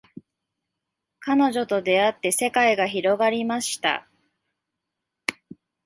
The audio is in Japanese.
彼女と出会って世界が広がりました